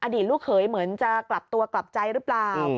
ลูกเขยเหมือนจะกลับตัวกลับใจหรือเปล่า